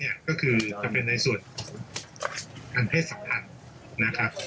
ทางแรกเนี่ยก็คือจะเป็นในส่วนการเทศสัมผัสนะครับ